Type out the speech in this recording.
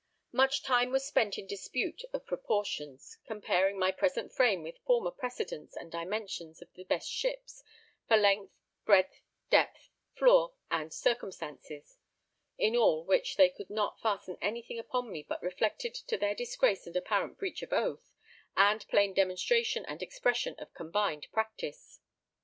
Much time was spent in dispute of proportions, comparing my present frame with former precedents and dimensions of the best ships, for length, breadth, depth, floor, and other circumstances; in all which they could not fasten anything upon me but reflected to their disgrace and apparent breach of oath, and plain demonstration and expression of combined practice.